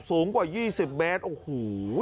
สูงกว่า๒๐เมตรโอ้โห